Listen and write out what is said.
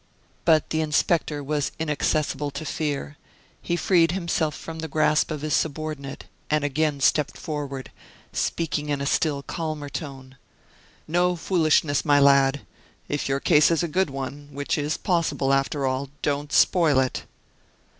But the inspector was inaccessible to fear; he freed himself from the grasp of his subordinate and again stepped forward, speaking in a still calmer tone. "No foolishness, my lad; if your case is a good one, which is possible, after all, don't spoil it."